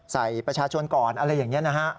ใส่ประชาชนก่อนอะไรอย่างนี้นะฮะ